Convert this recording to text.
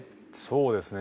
そうですね。